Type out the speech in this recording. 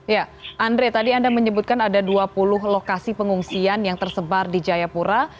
ya andre tadi anda menyebutkan ada dua puluh lokasi pengungsian yang tersebar di jayapura